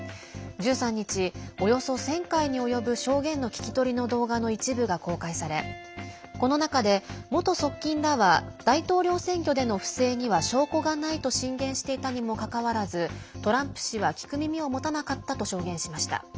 １３日、およそ１０００回に及ぶ証言の聞き取りの動画の一部が公開されこの中で元側近らは大統領選挙での不正には証拠がないと進言していたにもかかわらずトランプ氏は聞く耳を持たなかったと証言しました。